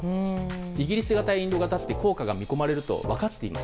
イギリス型、インド型って効果が見込まれると分かっています。